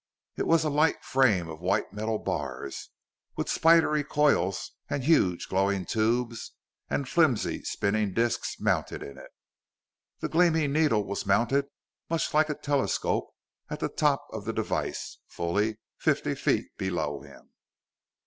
It was a light frame of white metal bars, with spidery coils and huge glowing tubes and flimsy spinning disks mounted in it. The gleaming needle was mounted much like a telescope at the top of the device, fully fifty feet below him.